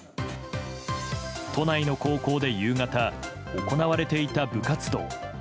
都内の高校で夕方、行われていた部活動。